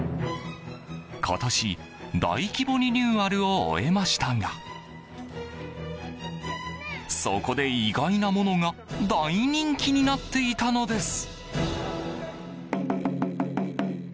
今年、大規模リニューアルを終えましたがそこで意外なものが大人気になっていたのです。